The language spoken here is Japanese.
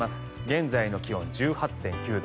現在の気温１８．９度。